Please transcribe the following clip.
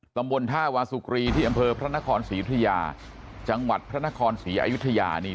ตำบลท่าวาสุกรีที่อำเภอพระนครศรีอุทยาจังหวัดพระนครศรีอยุธยานี่